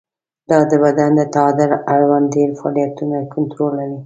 دا د بدن د تعادل اړوند ډېری فعالیتونه کنټرولوي.